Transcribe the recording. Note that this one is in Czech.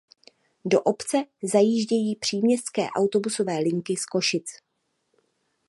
Do obce zajíždějí příměstské autobusové linky z Košic.